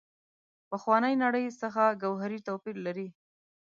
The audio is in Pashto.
پخوانۍ نړۍ څخه ګوهري توپیر لري.